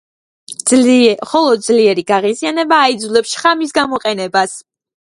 მხოლოდ ძლიერი გაღიზიანება აიძულებს შხამის გამოყენებას.